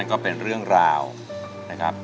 ก็เป็นเรื่องราวนะครับ